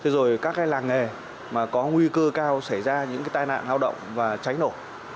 rồi các làng nghề mà có nguy cơ cao xảy ra những cái tai nạn lao động và cháy nổ